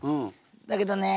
だけどね